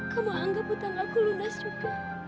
kamu anggap hutan aku lunas juga